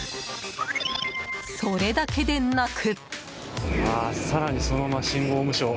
それだけでなく。